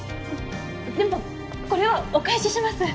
でもこれはお返しします。